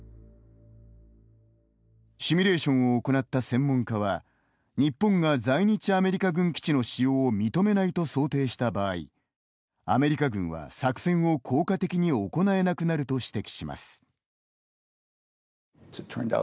シミュレーションを行った専門家は日本が在日アメリカ軍基地の使用を認めないと想定した場合アメリカ軍は、作戦を効果的に行えなくなると指摘します。